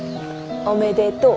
おめでとう。